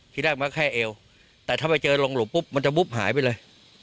ที่แรกมาแค่เอวแต่ถ้าไปเจอลงหลุมปุ๊บมันจะวุบหายไปเลย